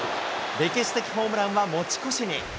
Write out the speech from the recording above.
歴史的ホームランは持ち越しに。